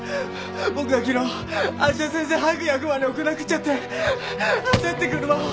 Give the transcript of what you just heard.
僕が昨日芦田先生を早く役場に送らなくっちゃって焦って車を。